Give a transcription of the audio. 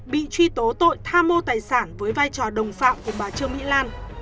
bị truy tố tội tham mô tài sản với vai trò đồng phạm của bà trương mỹ lan